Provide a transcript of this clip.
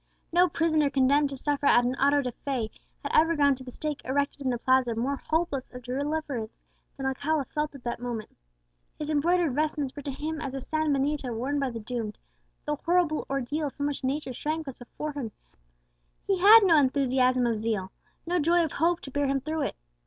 No prisoner condemned to suffer at an auto da fé had ever gone to the stake erected in the Plaza more hopeless of deliverance than Alcala felt at that moment. His embroidered vestments were to him as the san benito worn by the doomed; the horrible ordeal from which nature shrank was before him, and he had no enthusiasm of zeal, no joy of hope, to bear him through it.